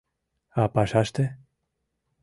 — А пашаште?